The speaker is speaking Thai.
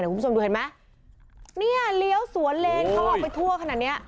คุณผู้ชมดูเห็นไหมเนี่ยเลี้ยวสวนเลนเขาออกไปทั่วขนาดเนี้ย